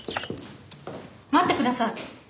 待ってください。